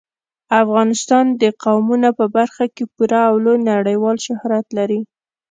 افغانستان د قومونه په برخه کې پوره او لوی نړیوال شهرت لري.